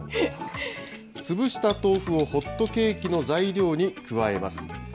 潰した豆腐をホットケーキの材料に加えます。